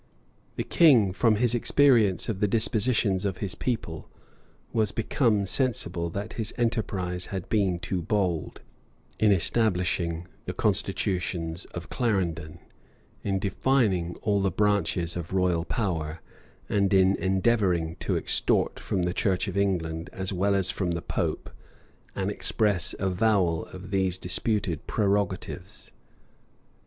The king, from his experience of the dispositions of his people, was become sensible that his enterprise had been too bold, in establishing the constitutions of Clarendon, in defining all the branches of royal power, and in endeavoring to extort from the church of England, as well as from the pope, an express avowal of these disputed prerogatives.